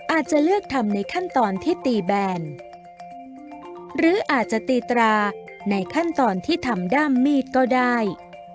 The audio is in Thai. อาจจะเลือกทำในขั้นตอนที่ตีแบนหรืออาจจะตีตราในขั้นตอนที่ทำด้ามมีดก็ได้